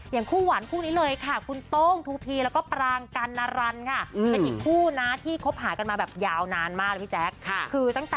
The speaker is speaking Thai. อย่างคู่หวานคู่นี้เลยค่ะคุณโต้งทูพีแล้วก็ปรางกันนารันค่ะ